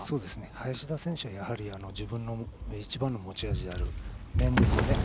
林田選手は自分の一番の持ち味である面ですよね。